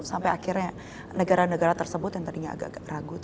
sampai akhirnya negara negara tersebut yang tadinya agak ragu